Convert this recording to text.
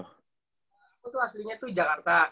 aku tuh aslinya tuh jakarta